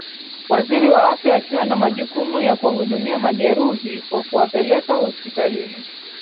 waziri wa afya akiwa na majukumu ya kuwahudumia majeruhi kwa kuwapeleka hospitalini